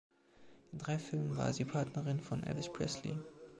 In drei Filmen war sie Partnerin von Elvis Presley.